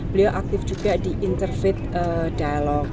beliau aktif juga di intervate dialog